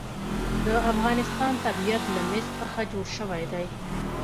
د افغانستان طبیعت له مس څخه جوړ شوی دی.